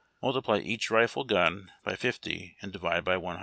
Multiply each rifle gun by .50 and divide by 140.